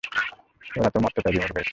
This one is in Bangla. ওরা তো মত্ততায় বিমূঢ় হয়েছে।